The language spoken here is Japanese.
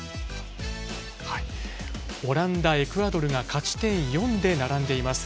オランダ、エクアドルが勝ち点４で並んでいます。